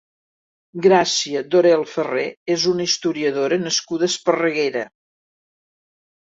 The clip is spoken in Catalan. Gràcia Dorel-Ferré és una historiadora nascuda a Esparreguera.